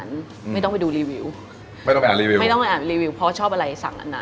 เดี๋ยวดูไม่ออกว่าเป็นกุ้ง